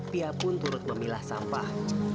pia pun turut memilah sampah